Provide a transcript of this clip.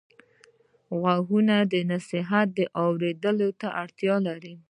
غوږونه د نصیحت اورېدلو ته اړتیا لري